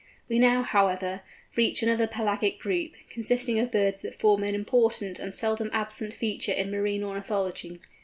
We now, however, reach another pelagic group, consisting of birds that form an important and seldom absent feature in marine ornithology.